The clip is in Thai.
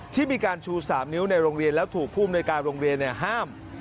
ที่มีการชูสามนิ้วในโรงเรียนแล้วถูกภูมิในการโรงเรียนเนี่ยห้าม